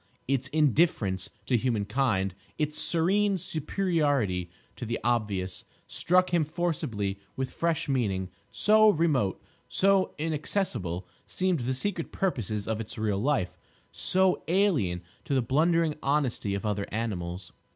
Its indifference to human kind, its serene superiority to the obvious, struck him forcibly with fresh meaning; so remote, so inaccessible seemed the secret purposes of its real life, so alien to the blundering honesty of other animals.